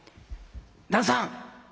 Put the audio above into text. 旦さん。